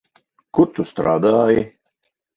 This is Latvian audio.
Kur tu strādāji?